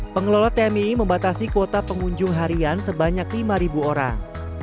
pengelola tmi membatasi kuota pengunjung harian sebanyak lima orang